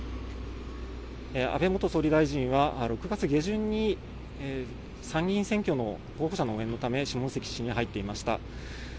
安倍元総理大臣は、６月下旬に参議院選挙の候補者の応援のため下関市に入っていました。